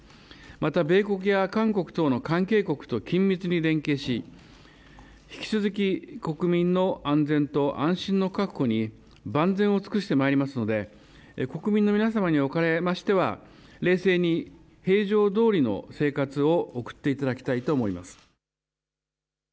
また米国や韓国等の関係国と緊密に連携し、引き続き国民の安全と安心の確保に万全を尽くしてまいりますので、国民の皆様におかれましては、冷静に平常どおりの生活を送っていただきたいと思います。